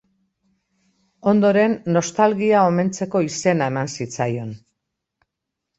Ondoren Nostalgia omentzeko izena eman zitzaion.